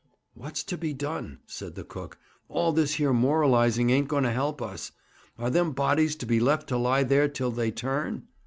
'What's to be done?' said the cook. 'All this here moralizing ain't going to help us. Are them bodies to be left to lie there till they turn?'